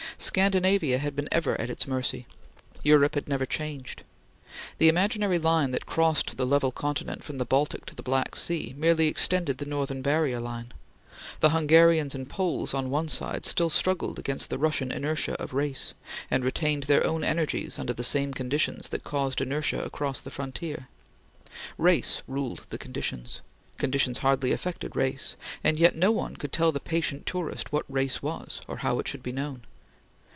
Scandinavia had been ever at its mercy. Europe had never changed. The imaginary line that crossed the level continent from the Baltic to the Black Sea, merely extended the northern barrier line. The Hungarians and Poles on one side still struggled against the Russian inertia of race, and retained their own energies under the same conditions that caused inertia across the frontier. Race ruled the conditions; conditions hardly affected race; and yet no one could tell the patient tourist what race was, or how it should be known.